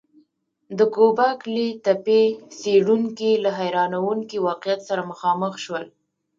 د ګوبک لي تپې څېړونکي له حیرانوونکي واقعیت سره مخامخ شول.